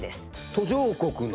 途上国の？